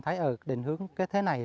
thấy ở định hướng cái thế này